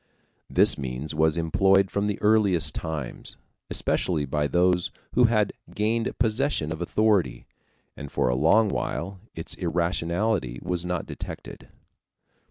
This means was employed from the earliest times, especially by those who had gained possession of authority, and for a long while its irrationality was not detected.